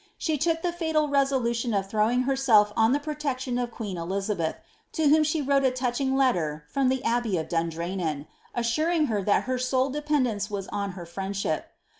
She took the btal resolution of throwing heraelf on the protection of queen Elizabeth, lo whom she wrote a touching letter from the abbey of Dundrenan, as suring her that her sole dependence was on her friendship.